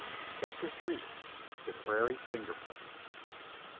CHAPTER THREE. THE PRAIRIE FINGER POST.